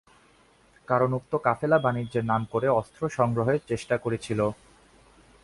কারণ উক্ত কাফেলা বাণিজ্যের নাম করে অস্ত্র সংগ্রহের চেষ্টা করছিল।